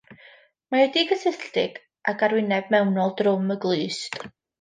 Mae wedi'i gysylltu ag arwyneb mewnol drwm y glust.